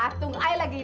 aku ada tes lagi pagi ini